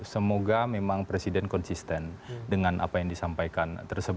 semoga memang presiden konsisten dengan apa yang disampaikan